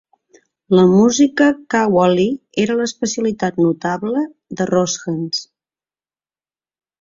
La música Qawwali era l'especialitat notable de Roshan's.